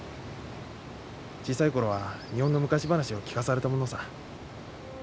小さい頃は日本の昔話を聞かされたものさ。